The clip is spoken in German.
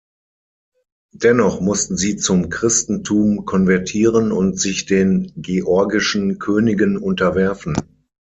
Dennoch mussten sie zum Christentum konvertieren und sich den georgischen Königen unterwerfen.